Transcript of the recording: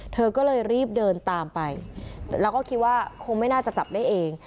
เธอก็เลยรีบเดินตามไปแล้วก็คิดว่าคงไม่น่าจะจับได้เอง